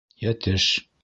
— Йәтеш.